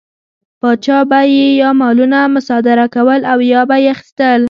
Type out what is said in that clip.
پاچا به یې یا مالونه مصادره کول او یا به یې اخیستل.